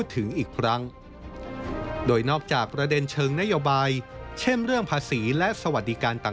ที่พลังในทะเลเมืองนะว่ามีขึ้น